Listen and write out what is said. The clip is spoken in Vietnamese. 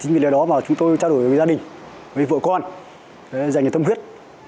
chính vì điều đó mà chúng tôi trao đổi với gia đình với vợ con dành cho tâm huyết